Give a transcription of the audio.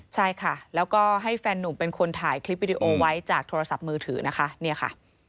ใช่ค่ะแล้วก็ให้แฟนหนุ่มเป็นคนถ่ายคลิปวิดีโอไว้จากโทรศัพท์มือถือนะคะเนี่ยค่ะ